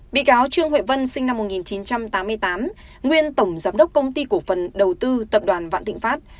bị cáo trương huệ vân sinh năm một nghìn chín trăm tám mươi tám nguyên tổng giám đốc công ty cổ phần đầu tư tập đoàn vạn thịnh pháp